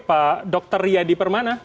pak dr yadi permana